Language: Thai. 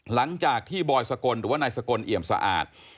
หลังจากที่บอยสกลหรือว่านายสกลเอี่ยมสะอาด